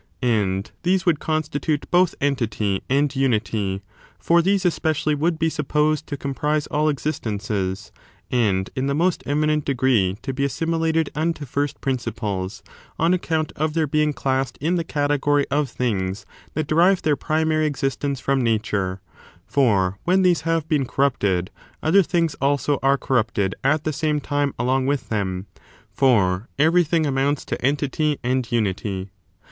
5. The TO dv ^^^ these would constitute both entity and and the to }iw unity : for these especially would be supposed to fall under Its '^. n ..^ j • xu 5 • j. notice as pri compnsc au existences, and in the most eminent mary genera, degree to be assimilated unto first principles, on account of their being classed in the category of things that derive their primary existence from Nature : for when these have l)een corrupted, other things also are corrupted at the same time along with them; for everything amounts to entity and unity.